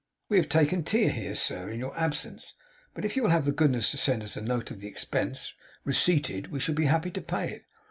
We have taken tea here, sir, in your absence; but if you will have the goodness to send us a note of the expense, receipted, we shall be happy to pay it.